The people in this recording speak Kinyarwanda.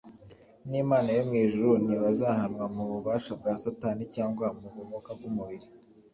n'Imana yo mu ijuru ntibazahanwa mu bubasha bwa Satani cyangwa mu bumuga bw'umubiri.